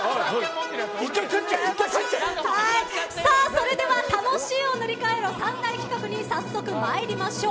それでは楽しいを塗り替える３大企画にまいりましょう。